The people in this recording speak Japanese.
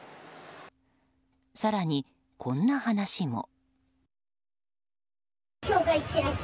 更に、こんな話も。